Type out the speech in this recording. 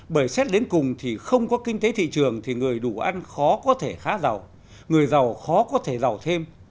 bởi xét đến cùng thì không có kinh tế thị trường thì người đủ ăn khó có thể khá giàu người giàu khó có thể giàu thêm